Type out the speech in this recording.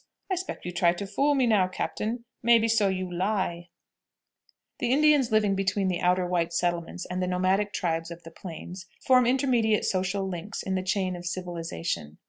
I 'spect you try to fool me now, captain; maybe so you lie." The Indians living between the outer white settlements and the nomadic tribes of the Plains form intermediate social links in the chain of civilization.